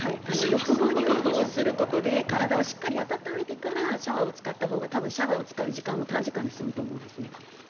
浴槽入浴をすることで体をしっかり温めてからシャワーを使ったほうが多分シャワーを使う時間も短時間で済むと思います。